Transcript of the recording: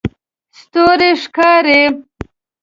ستوری ښکاري